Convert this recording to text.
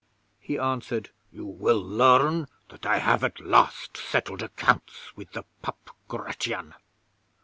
He answered: "You will learn that I have at last settled accounts with the pup Gratian.